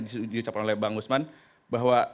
diucapkan oleh bang usman bahwa